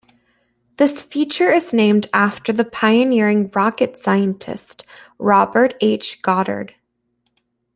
This feature is named after the pioneering rocket scientist Robert H. Goddard.